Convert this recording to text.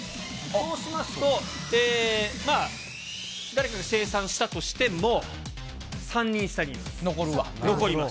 そうしますと、まあ、誰かが精算したとしても、３人下にいます。